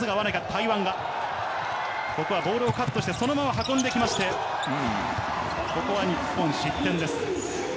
台湾がボールをカットしてそのまま運んできまして、日本失点です。